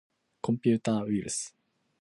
コンピューターウイルス